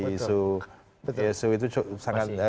isu itu sangat